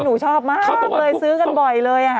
หนูชอบมากเลยซื้อกันบ่อยเลย